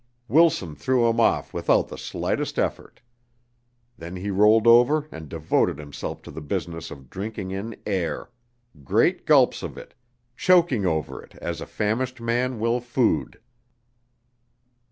Wilson threw him off without the slightest effort. Then he rolled over and devoted himself to the business of drinking in air great gulps of it, choking over it as a famished man will food.